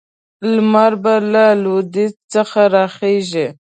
لمر به له لویدیځ څخه راخېژي.